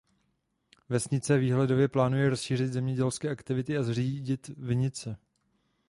Vesnice výhledově plánuje rozšířit zemědělské aktivity a zřídit vinice.